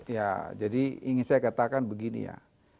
ya jadi ingin saya katakan begini ya